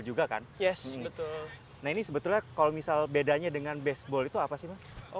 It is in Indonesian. juga kan yes betul nah ini sebetulnya kalau misal bedanya dengan baseball itu apa sih mas